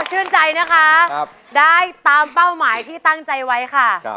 ชื่นใจนะคะได้ตามเป้าหมายที่ตั้งใจไว้ค่ะ